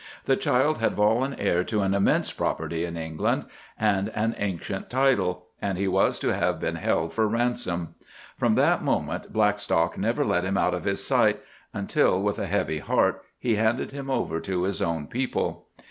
The child had fallen heir to an immense property in England, and an ancient title, and he was to have been held for ransom. From that moment Blackstock never let him out of his sight, until, with a heavy heart, he handed him over to his own people.